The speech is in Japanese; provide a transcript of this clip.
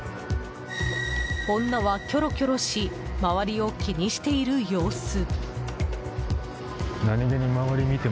女はキョロキョロし周りを気にしている様子。